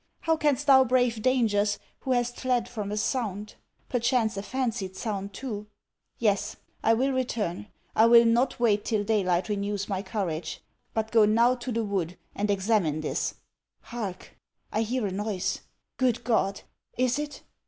How can'st thou brave dangers, who hast fled from a sound? Perchance a fancied sound too! Yes, I will return. I will not wait till day light renews my courage; but go now to the wood, and examine this Hark! I hear a noise! Good God! Is it?